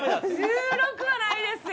１６はないですよ。